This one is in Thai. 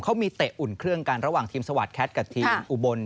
เขามีเตะอุ่นเครื่องกันระหว่างทีมสวาสแคทกับทีมอุบล